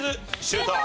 シュート！